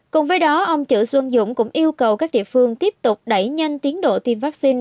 cùng với đó ông chữ xuân dũng cũng yêu cầu các địa phương tiếp tục đẩy nhanh tiến độ tiêm vaccine